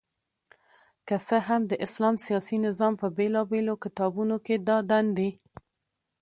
که څه هم د اسلام سياسي نظام په بيلابېلو کتابونو کي دا دندي